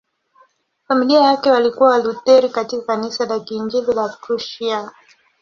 Familia yake walikuwa Walutheri katika Kanisa la Kiinjili la Prussia.